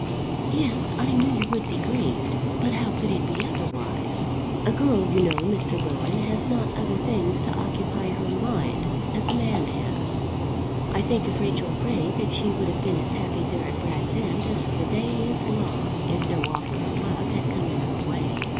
"Yes, I knew you would be grieved. But how could it be otherwise? A girl, you know, Mr. Rowan, has not other things to occupy her mind as a man has. I think of Rachel Ray that she would have been as happy there at Bragg's End as the day is long, if no offer of love had come in her way.